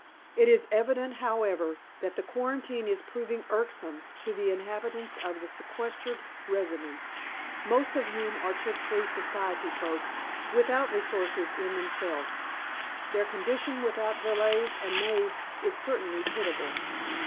It is evident, however, that the quarantine is proving irksome to the inhabitants of the sequestered residence, most of whom are typical society folk, without resources in themselves. Their condition, without valets and maids, is certainly pitiable.